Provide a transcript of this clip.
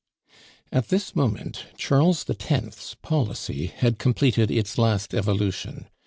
At this moment Charles X.'s policy had completed its last evolution.